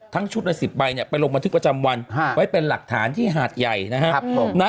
ชุดละ๑๐ใบเนี่ยไปลงบันทึกประจำวันไว้เป็นหลักฐานที่หาดใหญ่นะครับผม